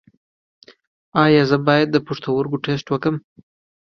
ایا زه باید د پښتورګو ټسټ وکړم؟